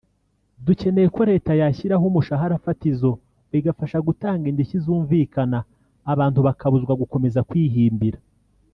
dukeneye ko Leta yashyiraho umushahara fatizo bigafasha gutanga indishyi zumvikana abantu bakabuzwa gukomeza kwihimbira